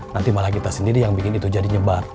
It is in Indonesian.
nanti malah kita sendiri yang bikin itu jadi nyebar